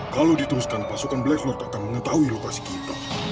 kalau diteruskan pasukan black lord akan mengetahui lokasi kita